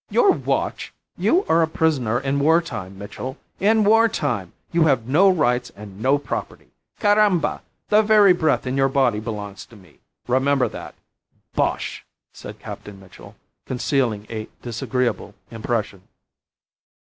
"Your watch! You are a prisoner in war time, Mitchell! In war time! You have no rights and no property! Caramba! The very breath in your body belongs to me. Remember that." "Bosh!" said Captain Mitchell, concealing a disagreeable impression.